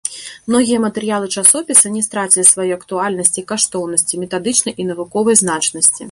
Многія матэрыялы часопіса не страцілі сваёй актуальнасці і каштоўнасці, метадычнай і навуковай значнасці.